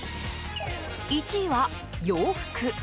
１位は、洋服。